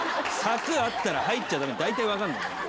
柵あったら入っちゃダメ大体分かんだろ。